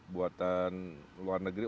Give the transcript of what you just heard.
buatan luar negeri